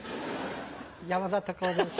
山田隆夫です。